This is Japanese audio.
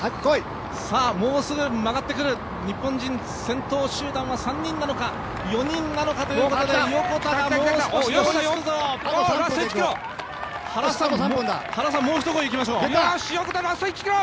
もうすぐ曲がってくる、日本人先頭集団は３人なのか４人なのかということで、横田がもう少しでつくぞ。